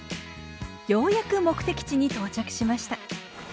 ようやく目的地に到着しました。